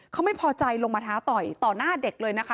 เขาไม่พอใจลงมาท้าต่อยต่อหน้าเด็กเลยนะคะ